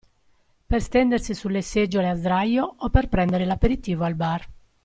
Per stendersi sulle seggiole a sdraio o per prendere l'aperitivo al bar.